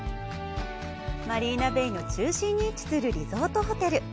マリーナベイの中心に位置するリゾートホテル。